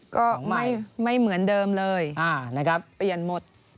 ก็ไม่เหมือนเดิมเลยนะครับเปลี่ยนหมด